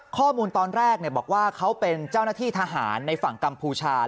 ข้อมูลตอนแรกบอกว่าเขาเป็นเจ้าหน้าที่ทหารในฝั่งกัมพูชา